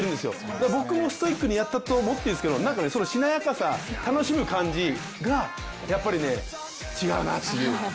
だから僕もストイックにやったと思ってるんですけどなんか、しなやかさ、楽しむ感じがやっぱり違うなっていう。